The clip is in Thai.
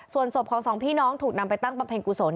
ส่วนศพของสองพี่น้องถูกนำไปตั้งบำเพ็ญกุศล